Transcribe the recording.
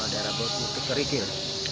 di daerah bukit keringkil